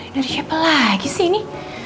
dari siapa lagi sih ini